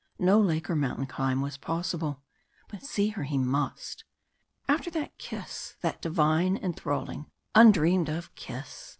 No lake, or mountain climb, was possible but see her he must. After that kiss that divine, enthralling, undreamed of kiss.